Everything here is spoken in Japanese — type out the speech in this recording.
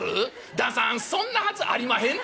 旦さんそんなはずありまへんで」。